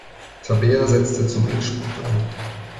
Tabea setzte zum Endspurt an.